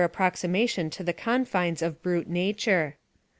37 approximation to the confines of brute nature.